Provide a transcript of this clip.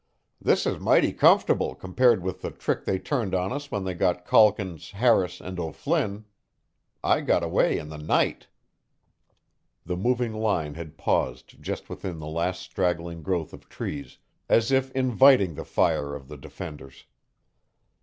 This is mighty comfortable compared with the trick they turned on us when they got Calkins, Harris and O'Flynn. I got away in the night." The moving line had paused just within the last straggling growth of trees, as if inviting the fire of the defenders.